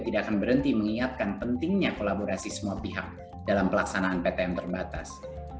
tidak akan berhenti mengingatkan pentingnya kolaborasi semua pihak dalam pelaksanaan ptm terbatas